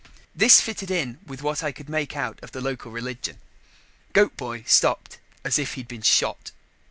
This fitted in with what I could make out of the local religion. Goat boy stopped as if he'd been shot.